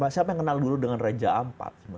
siapa yang kenal dulu dengan raja ampat